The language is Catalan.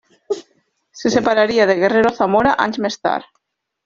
Se separaria de Guerrero Zamora anys més tard.